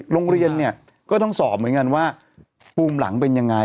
โรงเรียนเนี่ยก็ต้องสอบเหมือนกันว่าปูมหลังเป็นยังไง